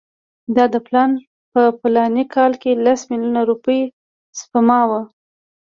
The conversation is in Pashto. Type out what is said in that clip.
د ده پلان په فلاني کال کې لس میلیونه روپۍ سپما وه.